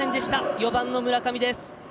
４番の村上です。